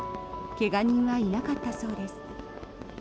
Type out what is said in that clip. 怪我人はいなかったそうです。